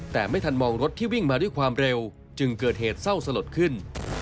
แต่ไม่ทันมองรถที่วิ่งมาด้วยความเร็วจึงเกิดเหตุเศร้าสลดขึ้น